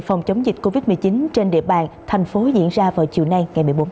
phòng chống dịch covid một mươi chín trên địa bàn thành phố diễn ra vào chiều nay